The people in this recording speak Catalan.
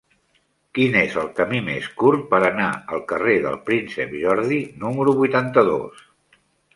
Quin és el camí més curt per anar al carrer del Príncep Jordi número vuitanta-dos?